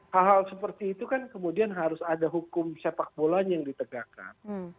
hal hal seperti itu kan kemudian harus ada hukum sepak bolanya yang ditegakkan